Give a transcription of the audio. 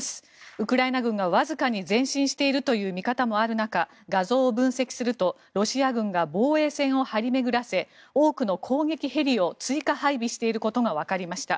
ウクライナ軍がわずかに前進しているという見方もある中画像を分析するとロシア軍が防衛線を張り巡らせ多くの攻撃ヘリを追加配備していることがわかりました。